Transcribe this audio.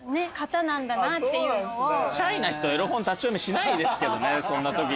シャイな人エロ本立ち読みしないですけどね。